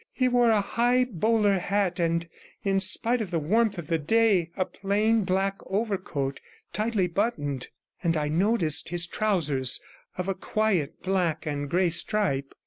He wore a high bowler hat, and, in spite of the warmth of the day, a plain black overcoat, tightly buttoned, and I noticed his trousers, of a quiet black and grey stripe.